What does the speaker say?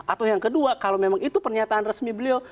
atau yang kedua kalau memang itu pernyataan resmi beliau